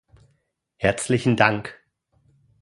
Herzlichen Dank!